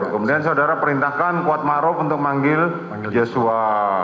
kemudian saudara perintahkan kuat ma'ruf untuk manggil joshua